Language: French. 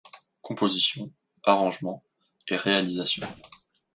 Composition, arrangement et réalisation.